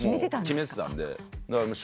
決めてたんですか？